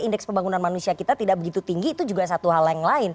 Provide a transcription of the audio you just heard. indeks pembangunan manusia kita tidak begitu tinggi itu juga satu hal yang lain